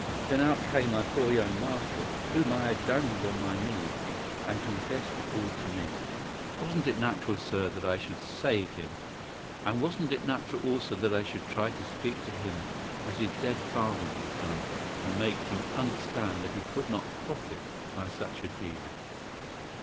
Then out came my poor young master, whom I had dandled on my knee, and confessed it all to me. Wasn't it natural, sir, that I should save him, and wasn't it natural also that I should try to speak to him as his dead father would have done, and make him understand that he could not profit by such a deed?